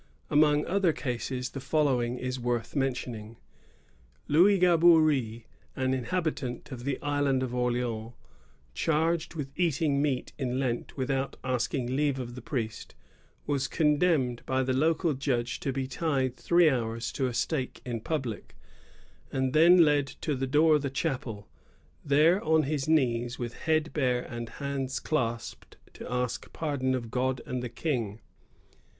Among other cases, the following is worth mention ing: Louis Gabonij, an inhabitant of the island of Orleans, charged with eating meat in Lent without asking leave of the priest, was condemned by the local judge to be tied three houis to a stake in public, and then led to the door of the chapel, there on his knees, with head bare and hands clasped, to ask pardon of God and the King.